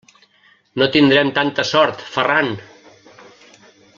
No tindrem tanta sort, Ferran!